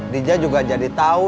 dija juga jadi tahu